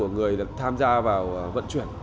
nói về vận chuyển